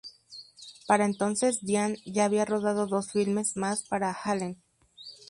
Para entonces Dianne ya había rodado dos filmes más para Allen.